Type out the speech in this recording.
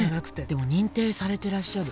でも認定されてらっしゃる。